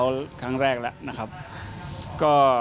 ส่วนอาการบาดเจ็บของธนบุญเกษารัฐที่มีอาการบาดเจ็บเล็กน้อย